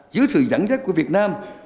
giữa sự giảng dách của việt nam